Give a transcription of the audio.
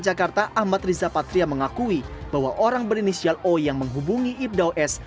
di jakarta ahmad rizapatria mengakui bahwa orang berinisial o yang menghubungi ipdao s